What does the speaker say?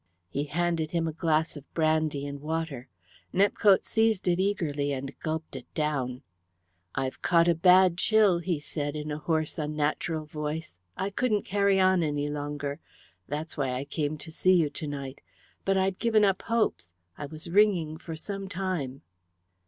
He handed him a glass of brandy and water. Nepcote seized it eagerly and gulped it down. "I've caught a bad chill," he said in a hoarse unnatural voice. "I couldn't carry on any longer. That's why I came to see you to night. But I'd given up hopes. I was ringing for some time."